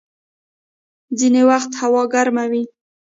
ځيني وخت هوا ګرمه وي.